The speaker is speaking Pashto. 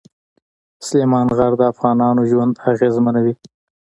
سلیمان غر د افغانانو ژوند اغېزمنوي.